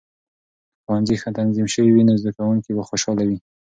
که ښوونځي ښه تنظیم شوي وي، نو زده کونکې به خوشاله وي.